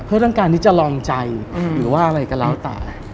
เพื่อต้องการที่จะลองใจหรือว่าอะไรก็แล้วแต่